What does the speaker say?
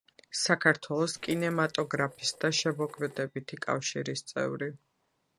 საქართველოს კინემატოგრაფისტთა შემოქმედებითი კავშირის წევრი.